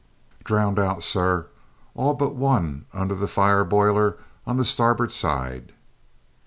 "Drowned out, sir, all but the one under the fire boiler on the starboard side."